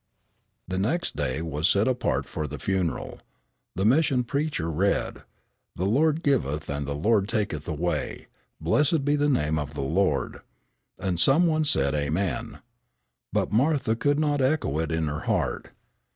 The next day was set apart for the funeral. The Mission preacher read: "The Lord giveth and the Lord taketh away, blessed be the name of the Lord," and some one said "Amen!" But Martha could not echo it in her heart.